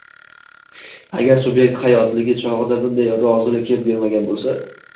agar subyekt hayotligi chog‘ida bunday rozilikni bermagan bo‘lsa